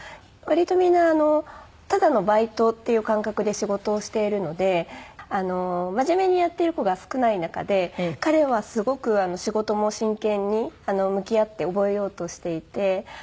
割とみんなただのバイトっていう感覚で仕事をしているので真面目にやってる子が少ない中で彼はすごく仕事も真剣に向き合って覚えようとしていて。